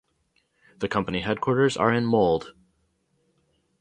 The company headquarters are in Molde.